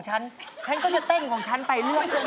ฉันก็จะแต้งกองฉันไป